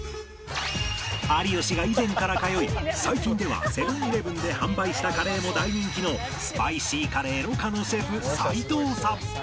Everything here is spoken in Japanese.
有吉が以前から通い最近ではセブン−イレブンで販売したカレーも大人気の ＳＰＩＣＹＣＵＲＲＹ 魯珈のシェフ齋藤さん